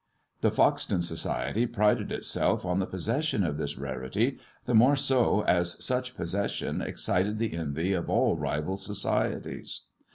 The Foxton Society prided itself on the possession of this rarity, the more so as such posses sion excited the envy of all rival societies.